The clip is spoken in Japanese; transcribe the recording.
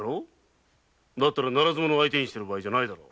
だったらならず者を相手にしてる場合じゃなかろう。